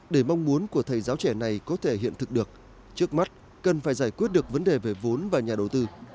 để mong muốn của thầy giáo trẻ này có thể hiện thực được trước mắt cần phải giải quyết được vấn đề về vốn và nhà đầu tư